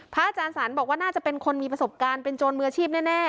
อาจารย์สรรบอกว่าน่าจะเป็นคนมีประสบการณ์เป็นโจรมืออาชีพแน่